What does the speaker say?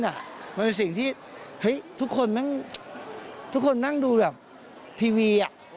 มันเป็นสิ่งที่ทุกคนนั่งดูทีวี